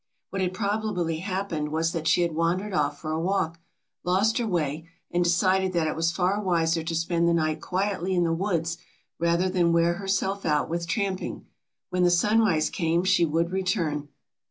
What had probably happened was that she had wandered off for a walk, lost her way and decided that it was far wiser to spend the night quietly in the woods rather than wear herself out with tramping. When the sunrise came she would return.